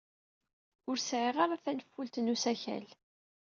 Ur sɛiɣ ara tanfult n usakal.